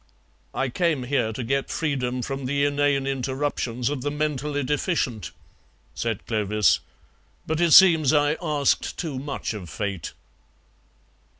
"I came here to get freedom from the inane interruptions of the mentally deficient," said Clovis, "but it seems I asked too much of fate."